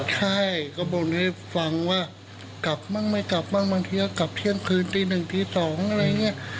ใช่ก็บ่นให้ฟังว่ากลับบ้างไม่กลับบ้างบางทีก็กลับเที่ยงคืนตีหนึ่งตี๒อะไรอย่างนี้